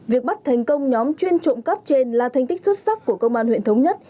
việc bắt thành công nhóm chuyên trộm cắp trên là thành tích xuất sắc của công an huyện thống nhất